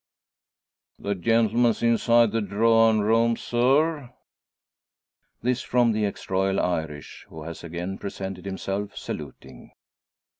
"The gentleman's inside the dhrawin room, surr." This from the ex Royal Irish, who has again presented himself, saluting.